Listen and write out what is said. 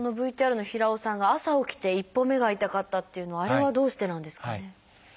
ＶＴＲの平尾さんが朝起きて一歩目が痛かったというのはあれはどうしてなんですかね？